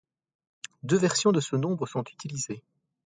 Deux versions de ce nombre sont utilisées.